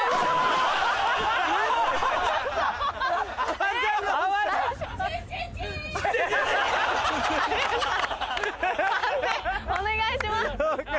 判定お願いします。